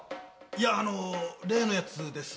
いやあの例のやつです。